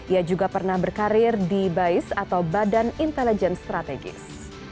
ia juga pernah berkarir di bais atau badan intelijen strategis